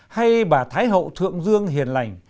hay bà thái hậu thượng dương hiền lành